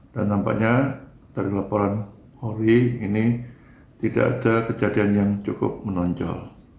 dan nampaknya dari laporan polri ini tidak ada kejadian yang cukup menarik